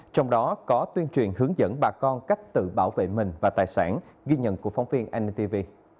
trong đó có tuyên truyền hướng dẫn bà con cách tự bảo vệ mình và tài sản ghi nhận của phóng viên an ninh tv